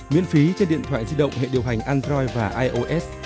miễn phí trên điện thoại di động hệ điều hành android và ios